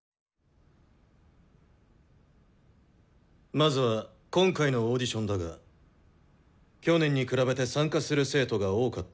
まずは今回のオーディションだが去年に比べて参加する生徒が多かった。